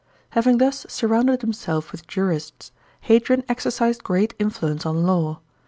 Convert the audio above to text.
Having thus surrounded himself with jurists, Hadrian exercised great influence on law.